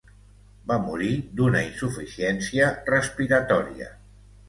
Va morir d'una insuficiència respiratòria.